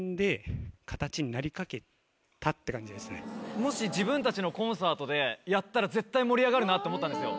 もし自分たちのコンサートでやったら絶対盛り上がるなと思ったんですよ。